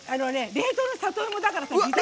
冷凍の里芋だから、いいの。